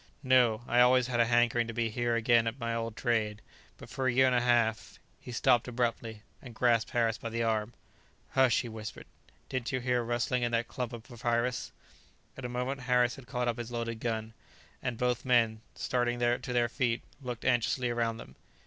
"No; I always had a hankering to be here again at my old trade; but for a year and a half...." He stopped abruptly, and grasped Harris by the arm. "Hush," he whispered, "didn't you hear a rustling in that clump of papyrus?" In a moment Harris had caught up his loaded gun; and both men, starting to their feet, looked anxiously around them.